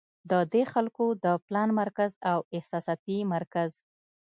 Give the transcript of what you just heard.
د دې خلکو د پلان مرکز او احساساتي مرکز